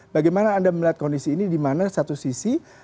bagaimana anda melihat kondisi ini di mana satu sisi